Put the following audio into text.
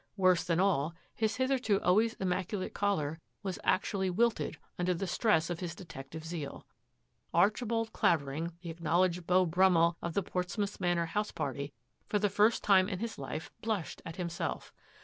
Worse than all, his hitherto always immaculate collar was actually wilted under the stress of his detective zeal. Archi bald Clavering, the acknowledged Beau Brummell of the Portstead Manor house party, for the first time in his life blushed at himself.